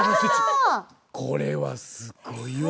これはすごいわ。